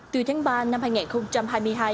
từ tháng ba năm hai nghìn hai mươi hai